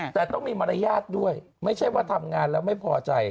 แต่ต้องมีมารยาทด้วยไม่ใช่ว่าทำงานแล้วไม่พอใจ